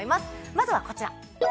まずはこちら。